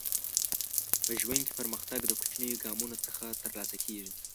په ژوند کې پرمختګ د کوچنیو ګامونو څخه ترلاسه کیږي.